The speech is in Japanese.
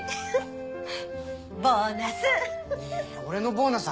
ボーナス！